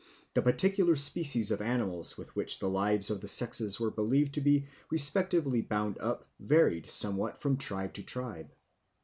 The particular species of animals with which the lives of the sexes were believed to be respectively bound up varied somewhat from tribe to tribe.